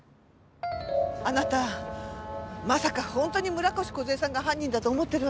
あなたまさか本当に村越梢さんが犯人だと思ってるわけじゃ。